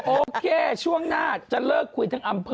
โอเคช่วงหน้าจะเลิกคุยทั้งอำเภอ